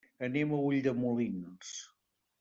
Anem a Ulldemolins.